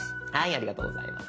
ありがとうございます。